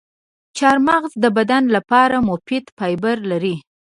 چارمغز د بدن لپاره مفید فایبر لري.